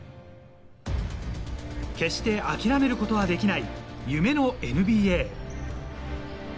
決して諦めることはできない夢のＮＢＡ。